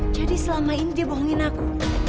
jadi selama ini dia bohongin aku